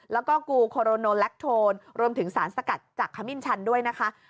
แล้วก็กูโคโรโนแลคโทนรวมถึงสารสกัดจากขมิ้นชันด้วยนะคะ